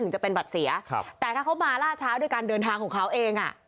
จะเป็นบัตรเสียครับแต่ถ้าเขามาล่าช้าด้วยการเดินทางของเขาเองอ่ะ